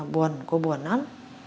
buồn cô buồn lắm